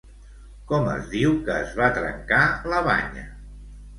Com es diu que es va trencar la banya?